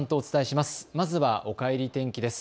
まずはおかえり天気です。